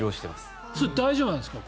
それ、大丈夫なんですか？